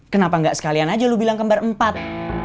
kenapa gak sekalian aja lu bilang kembar empat